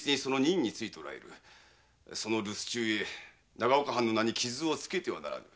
その留守中ゆえ長岡藩の名に傷を付けてはならぬ。